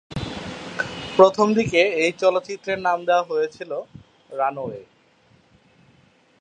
প্রথমদিকে এই চলচ্চিত্রের নাম দেয়া হয়েছিল "রানওয়ে"।